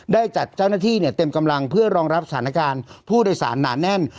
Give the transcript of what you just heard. ได้จัดเจ้าหน้าที่เต็มกำลังเพื่อรองรับสถานการณ์ผู้โดยสารหนาแน่น